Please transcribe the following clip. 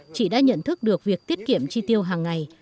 chị đã nhận thức được việc tiết kiệm chi tiêu hàng ngày